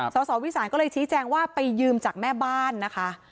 สสวิสานก็เลยชี้แจงว่าไปยืมจากแม่บ้านนะคะ